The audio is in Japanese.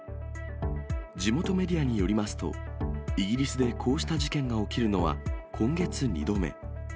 地元メディアによりますと、イギリスでこうした事件が起きるのは、今月２度目。